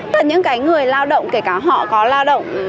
đa phần mọi người đều băn khoăn